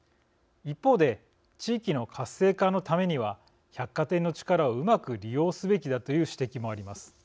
一方で地域の活性化のためには百貨店の力をうまく利用すべきだという指摘もあります。